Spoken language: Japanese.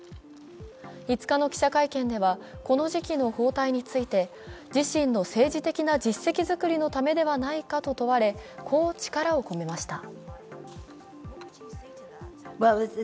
５日の記者会見ではこの時期の訪台について自身の政治的な実績作りのためではないかと問われこう、力を込めました。